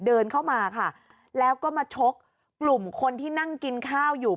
เดินเข้ามาค่ะแล้วก็มาชกกลุ่มคนที่นั่งกินข้าวอยู่